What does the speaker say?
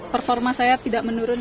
performa saya tidak menurun